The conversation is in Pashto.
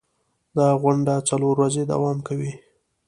دا غونډه څلور ورځې دوام کوي.